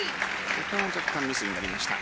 ここも若干ミスになりました。